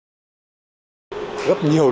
người dân đấu đống nói theme đ belarus